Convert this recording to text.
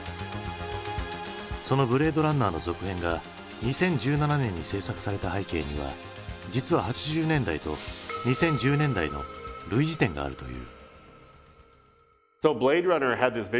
その「ブレードランナー」の続編が２０１７年に製作された背景には実は８０年代と２０１０年代の類似点があるという。